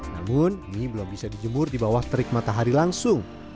namun mie belum bisa dijemur di bawah terik matahari langsung